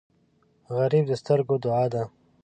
غریب د سترګو دعا ده